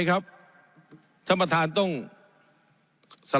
มีล้ำตีตั้นเนี่ยมีล้ำตีตั้นเนี่ย